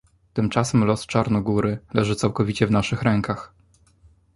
Tymczasem los Czarnogóry leży całkowicie w naszych rękach